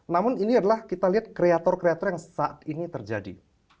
namun ini adalah kita lihat kreator kreator yang saat ini terjadi